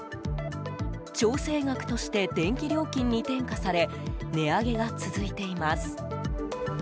調整額として電気料金に転嫁され値上げが続いています。